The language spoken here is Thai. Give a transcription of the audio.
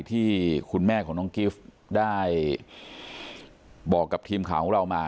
ที่คุณแม่ของน้องกิฟต์ได้บอกกับทีมข่าวของเรามา